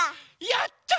やった！